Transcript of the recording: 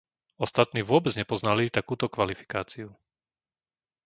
Ostatní vôbec nepoznali takúto kvalifikáciu.